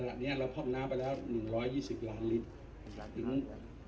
ถัดเนี้ยเราพร่อมน้ำไปแล้วหนึ่งร้อยยี่สิบล้านลิตรจึง